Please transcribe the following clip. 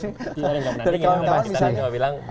tidak tidak menandingi